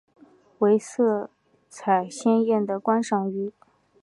为色彩鲜艳的观赏鱼。